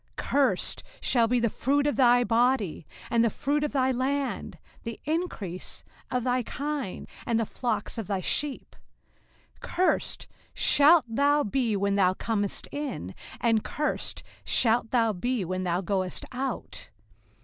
05:028:018 Cursed shall be the fruit of thy body, and the fruit of thy land, the increase of thy kine, and the flocks of thy sheep. 05:028:019 Cursed shalt thou be when thou comest in, and cursed shalt thou be when thou goest out.